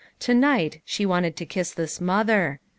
To night, she wanted to kiss this mother.